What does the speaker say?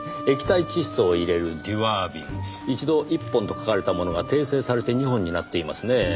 液体窒素を入れるデュワー瓶一度１本と書かれたものが訂正されて２本になっていますね。